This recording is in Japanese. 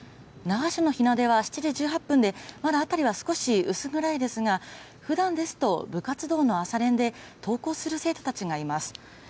那覇市の日の出は７時１８分で、まだ辺りは少し薄暗いですが、ふだんですと、部活動の朝練で登校する生徒たちがいます。